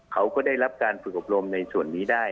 เขาก็ได้รับการฝึกอบรมในส่วนนี้ได้